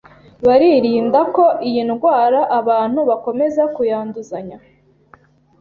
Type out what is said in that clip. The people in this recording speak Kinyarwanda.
Baririnda ko iyi ndwara abantu bakomeza kuyanduzanya